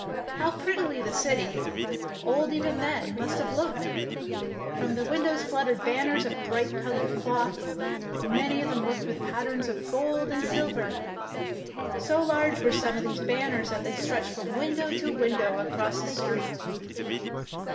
How prettily the city, old even then, must have looked I From the windows fluttered banners of bright coloured cloth, many of them worked with patterns of gold and silver! So large were some of these banners that they stretched from window to window across the street.